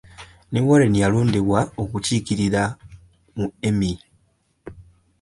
Warren was nominated for an Emmy as well.